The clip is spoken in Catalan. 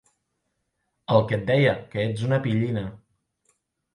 El que et deia, que ets una pillina.